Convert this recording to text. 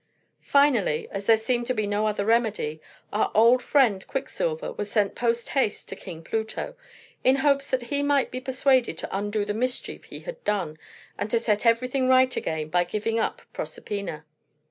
Finally, as there seemed to be no other remedy, our old friend Quicksilver was sent post haste to King Pluto, in hopes that he might be persuaded to undo the mischief he had done, and to set everything right again by giving up Proserpina.